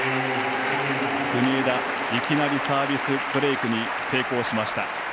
国枝、いきなりサービスブレーク成功しました。